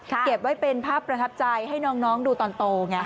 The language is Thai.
เก็บไว้เป็นภาพประทับใจให้น้องดูตอนโตไง